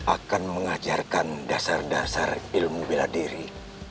akan mengajarkan dasar dasar ilmu bela diri